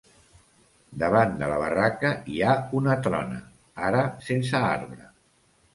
Davant de la barraca hi ha una trona, ara sense arbre.